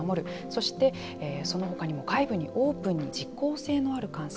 そして、その他にも外部にオープンに実効性のある監査。